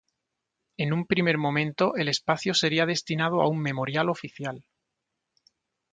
En un primer momento, el espacio sería destinado a un memorial oficial.